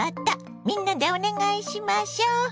みんなでお願いしましょ。